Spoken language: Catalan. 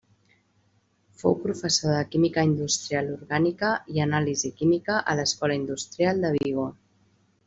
Fou professor de Química Industrial Orgànica i Anàlisi Química a l'Escola Industrial de Vigo.